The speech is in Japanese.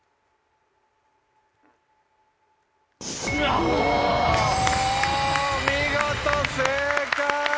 お見事正解！